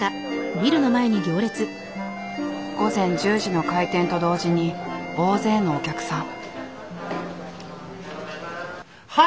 午前１０時の開店と同時に大勢のお客さん。